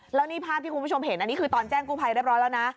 แล้วนี่ภาพที่คุณผู้ชมเห็นอันนี้คือตอนแจ้งกู้ภัยเรียบร้อยแล้วนะ